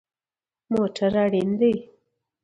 موټر اړین دی